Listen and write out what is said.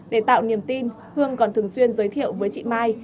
để tạo niềm tin hương còn thường xuyên giới thiệu với chị mai